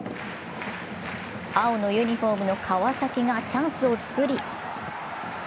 青のユニフォームの川崎がチャンスを作り